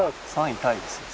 ３位タイですよ。